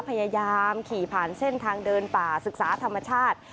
พยายามขี่ผ่านเส้นทางเดินป่าศึกษาธรรมชาติ